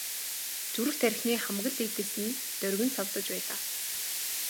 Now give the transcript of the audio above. Зүрх тархины хамаг л эд эс нь доргин савлаж байлаа.